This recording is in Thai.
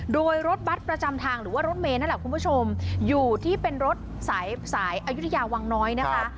โดยรถบัตรประจำทางหรือว่ารถเมย์นั่นแหละคุณผู้ชมอยู่ที่เป็นรถสายสายอายุทยาวังน้อยนะคะ